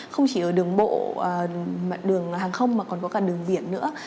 không chỉ ở đường bộ đường hàng không mà còn có cả đường biển nữa